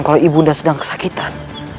kalau ibu anda sedang kesakitan